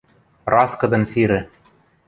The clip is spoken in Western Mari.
Раскыдын сирӹ.